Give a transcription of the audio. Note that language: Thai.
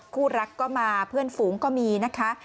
คู่รักก็มาเพื่อนฝูงก็มีนะคะ